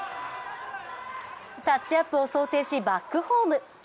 タッチアップを想定し、バックホーム。